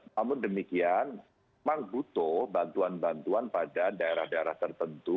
namun demikian memang butuh bantuan bantuan pada daerah daerah tertentu